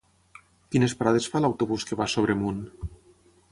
Quines parades fa l'autobús que va a Sobremunt?